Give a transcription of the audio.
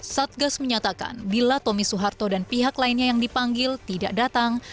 satgas menyatakan bila tommy soeharto dan pihak lainnya yang dipanggil tidak datang